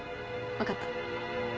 分かった。